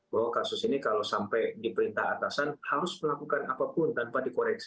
bahwa kasus ini kalau sampai diperintah atasan harus melakukan apapun tanpa dikoreksi